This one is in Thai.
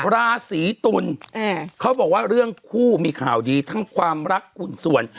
ราศีตุลเขาบอกว่าเรื่องคู่มีข่าวดีทั้งความรักหุ่นส่วน